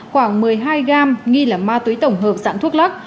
khoảng một mươi hai gam nghi là ma túy tổng hợp dạng thuốc lắc